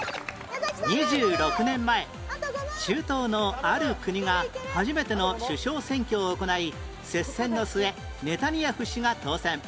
２６年前中東のある国が初めての首相選挙を行い接戦の末ネタニヤフ氏が当選